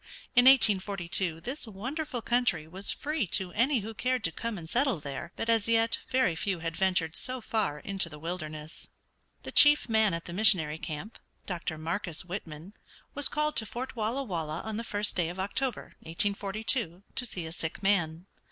In 1842 this wonderful country was free to any who cared to come and settle there, but as yet very few had ventured so far into the wilderness. The chief man at the missionary camp, Dr. Marcus Whitman, was called to Fort Walla Walla on the first day of October, 1842, to see a sick man.